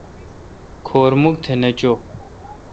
کھور مکھ پر نہ چو۔